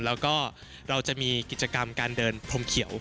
แล้วก็เราจะมีกิจกรรมการเดินพรมเขียว